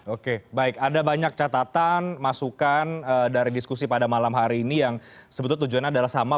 oke baik ada banyak catatan masukan dari diskusi pada malam hari ini yang sebetulnya tujuannya adalah sama